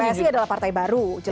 psi adalah partai baru